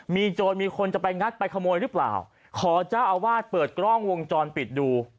มีโจรมีคนจะไปงัดไปขโมยหรือเปล่าขอเจ้าอาวาสเปิดกล้องวงจรปิดดู